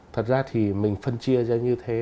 thật ra thì mình phân chia ra như thế